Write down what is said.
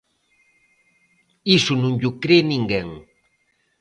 Iso non llo cre ninguén.